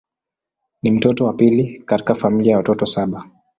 Ni mtoto wa pili katika familia ya watoto saba.